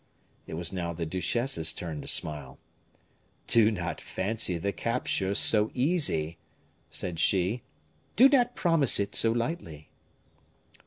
It was now the duchesse's turn to smile. "Do not fancy the capture so easy," said she; "do not promise it so lightly."